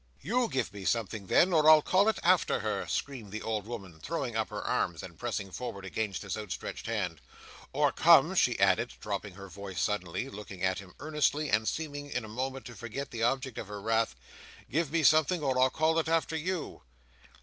"You give me something then, or I'll call it after her!" screamed the old woman, throwing up her arms, and pressing forward against his outstretched hand. "Or come," she added, dropping her voice suddenly, looking at him earnestly, and seeming in a moment to forget the object of her wrath, "give me something, or I'll call it after you!"